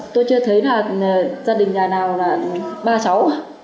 tôi chưa thấy là gia đình nhà nào là ba cháu